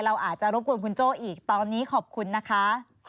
เราอาจจะรบกวนคุณโจ้อีกตอนนี้ขอบคุณนะคะ